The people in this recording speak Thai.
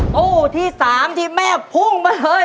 ตู้ที่๓ที่แม่พุ่งมาเลย